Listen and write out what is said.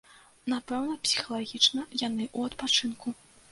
Напэўна, псіхалагічна яны ў адпачынку.